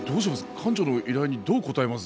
館長の依頼にどう応えます？